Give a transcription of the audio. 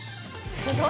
すごい。